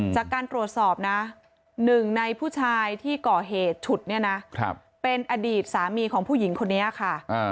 จากการตรวจสอบนะหนึ่งในผู้ชายที่ก่อเหตุฉุดเนี่ยนะเป็นอดีตสามีของผู้หญิงคนนี้ค่ะ